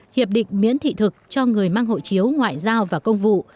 hiệp định miễn thị thực cho người mang hộ chiếu ngoại giao và công vụ